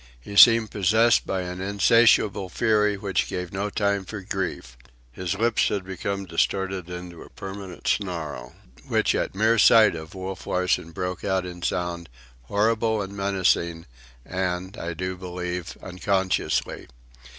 He seemed possessed by an insatiable fury which gave no time for grief. His lips had become distorted into a permanent snarl, which at mere sight of Wolf Larsen broke out in sound, horrible and menacing and, I do believe, unconsciously.